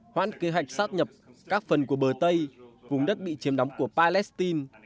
hoãn kế hoạch sát nhập các phần của bờ tây vùng đất bị chiếm đóng của palestine